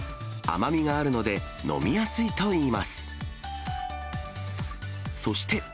甘みがあるので、飲みやすいといいます。